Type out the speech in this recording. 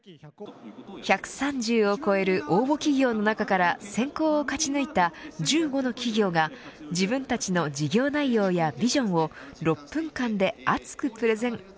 １３０を超える応募企業の中から選考を勝ち抜いた１５の企業が自分たちの事業内容やビジョンを６分間で熱くプレゼン。